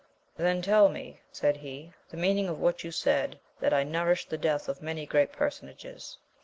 Then tell me, said he, the meaning of what you said, that I nourished the death of many great personages.